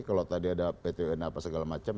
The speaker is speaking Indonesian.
kalau tadi ada pt un apa segala macam